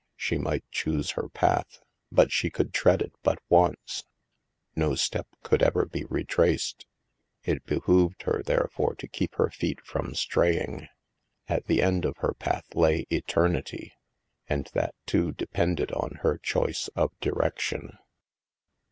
She might choose her path, but she could tread it but once. No step could ever be retraced. It behooved her, therefore, to keep her feet from straying. At the end of her path lay Eternity, and that too de pended on her choice of direction.